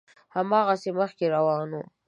هماغسې مخکې روان و.